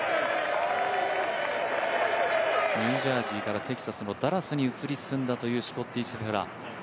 ニュージャージーからテキサスのダラスに移り住んだというスコッティ・シェフラー。